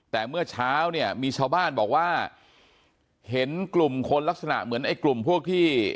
แต่เมื่อเช้าเนี่ยมีชาวบ้านบอกว่าเห็นกลุ่มคนลักษณะเหมือนไอ้กลุ่มพวกที่